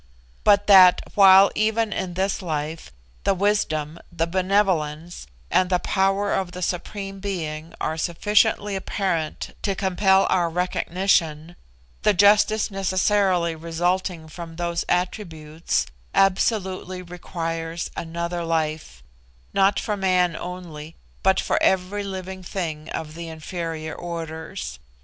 But that, while even in this life, the wisdom, the benevolence, and the power of the Supreme Being are sufficiently apparent to compel our recognition, the justice necessarily resulting from those attributes, absolutely requires another life, not for man only, but for every living thing of the inferior orders.